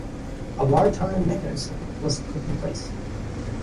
A "wartime mechanism" was put in place.